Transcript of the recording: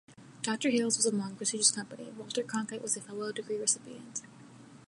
Doctor Hales was among prestigious company: Walter Cronkite was a fellow degree recipient.